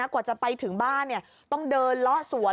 กว่าจะไปถึงบ้านต้องเดินเลาะสวน